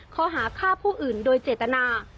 ข้อหาฆ่าผู้อื่นโดยเจตนา